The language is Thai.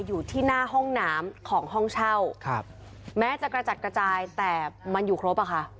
อยู่ที่หน้าห้องน้ำของห้องเช่าครับแม้จะกระจัดกระจายแต่มันอยู่ครบอะค่ะ